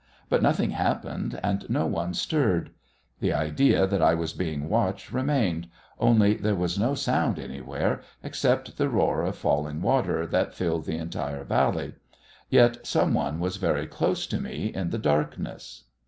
But nothing happened, and no one stirred. The idea that I was being watched remained, only there was no sound anywhere except the roar of falling water that filled the entire valley. Yet some one was very close to me in the darkness.